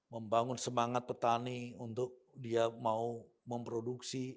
membangun semangat petani untuk dia mau memproduksi